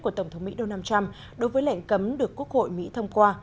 của tổng thống mỹ donald trump đối với lệnh cấm được quốc hội mỹ thông qua